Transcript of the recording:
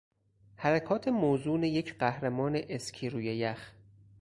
حرکات موزون یک قهرمان اسکی روی یخ